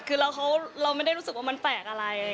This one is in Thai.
คือเราไม่ได้รู้สึกว่ามันแปลกอะไร